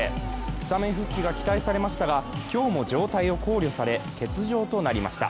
スタメン復帰が期待されましたが、今日も状態を考慮され、欠場となりました。